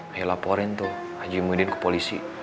ayah laporin tuh azimuddin ke polisi